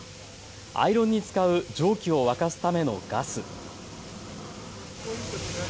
アイロンに使う蒸気を沸かすためのガス。